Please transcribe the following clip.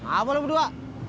apa lo berdua